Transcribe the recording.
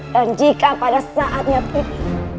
dan jika pada saatnya berhenti